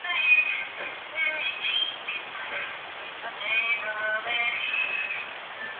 法伊岛。